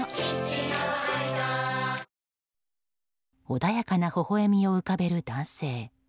穏やかなほほ笑みを浮かべる男性。